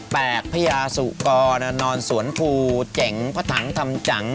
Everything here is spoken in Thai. แปลกพญาสุกรนอนสวนภูเจ๋งพระถังทำจัง